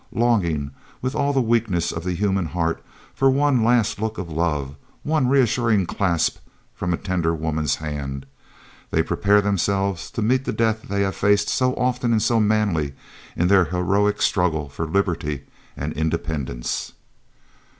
Longing, with all the weakness of the human heart, for one last look of love, one reassuring clasp from a tender woman's hand, they prepare themselves to meet the death they have faced so often and so manfully in their heroic struggle for liberty and independence.